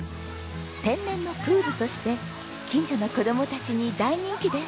天然のプールとして近所の子供たちに大人気です。